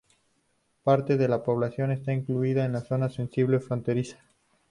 Parte de la población está incluida en la zona sensible fronteriza.